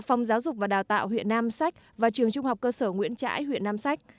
phòng giáo dục và đào tạo huyện nam sách và trường trung học cơ sở nguyễn trãi huyện nam sách